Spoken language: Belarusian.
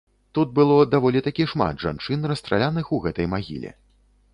Тут было даволі такі шмат жанчын расстраляных у гэтай магіле.